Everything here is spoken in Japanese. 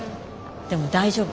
でも大丈夫。